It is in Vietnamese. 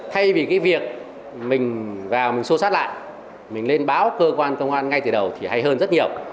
thay vì cái việc mình vào mình xô sát lại mình lên báo cơ quan công an ngay từ đầu thì hay hơn rất nhiều